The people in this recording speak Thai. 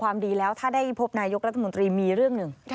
ดีแล้วถ้าได้พบนายกรัฐมนตรีมีเรื่องหนึ่ง